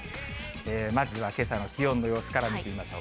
まずはけさの気温の様子から見てみましょう。